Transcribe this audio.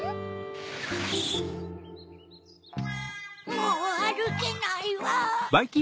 もうあるけないわ。